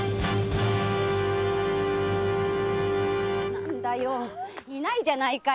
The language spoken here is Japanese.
何だよいないじゃないか。